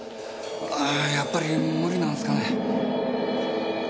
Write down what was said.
やっぱり無理なんすかね。